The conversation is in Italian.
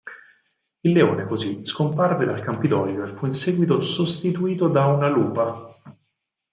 Il leone così scomparve dal Campidoglio e fu in seguito sostituito da una lupa.